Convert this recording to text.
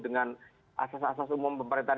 dengan asas asas umum pemerintahan